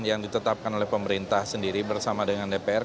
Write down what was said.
yang ditetapkan oleh pemerintah sendiri bersama dengan dpr